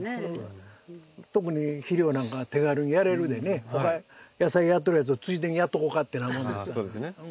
特に肥料なんかは手軽にやれるでねほか野菜やっとるやつをついでにやっとこうかって。